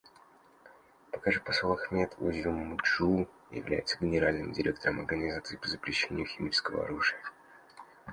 Пока же посол Ахмет Узюмджю является Генеральным директором Организации по запрещению химического оружия.